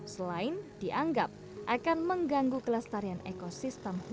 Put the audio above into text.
selain dianggap akan mengganggu kelestarian ekosistem